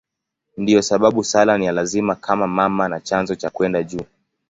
Ndiyo sababu sala ni ya lazima kama mama na chanzo cha kwenda juu.